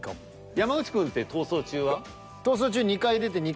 山内くんって「逃走中」は？